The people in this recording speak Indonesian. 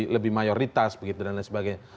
lebih mayoritas begitu dan lain sebagainya